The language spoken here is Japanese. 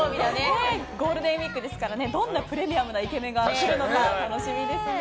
ゴールデンウィークですからどんなプレミアムなイケメンが来るのか楽しみですね。